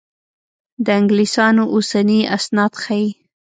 د انګلیسیانو اوسني اسناد ښيي.